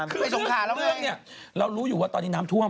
เรียกเรื่องนี้ที่เรารู้อยู่ว่าตอนนี้น้ำท่วม